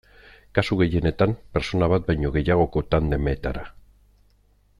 Kasu gehienetan, pertsona bat baino gehiagoko tandemetara.